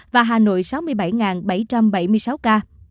tây ninh tám mươi hai bảy trăm bảy mươi sáu ca